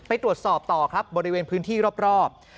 ไปตรวจสอบต่อครับบริเวณพื้นที่รอบ